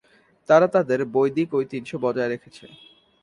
তারা তাদের বৈদিক ঐতিহ্য বজায় রেখেছে।